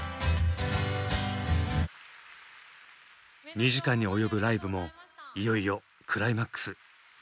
２時間に及ぶライブもいよいよクライマックス。